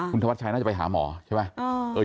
คุณธวัชชัยน่าจะไปหาหมอใช่ไหม